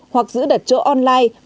hoặc giữ đặt chỗ online